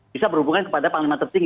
bisa berhubungan kepada panglima tertinggi